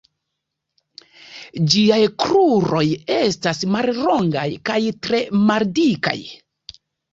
Ĝiaj kruroj estas mallongaj kaj tre maldikaj.